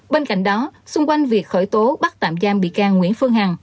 bên cạnh đó xung quanh việc khởi tố bắt tạm giam bị can nguyễn phương hằng